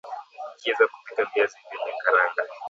njia za kupika viazi vyenye karanga